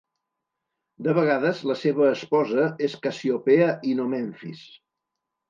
De vegades la seva esposa és Cassiopea i no Memfis.